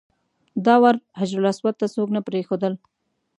دا وار حجرالاسود ته څوک نه پرېښودل.